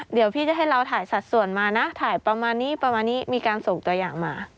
เดี๋ยวพี่จะให้เราถ่ายสัดส่วนมานะถ่ายประมาณนี้ประมาณนี้มีการส่งตัวอย่างมา